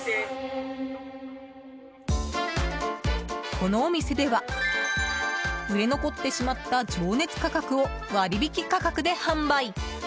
このお店では売れ残ってしまった情熱価格を割引価格で販売。